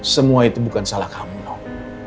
semua itu bukan salah kamu dong